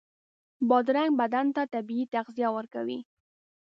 بادرنګ بدن ته طبعي تغذیه ورکوي.